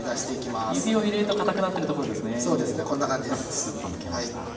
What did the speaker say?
スッと抜けました。